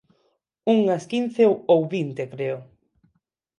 Unhas quince ou vinte, creo.